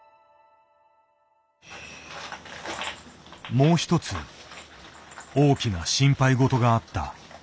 もう一つ大きな心配事があった。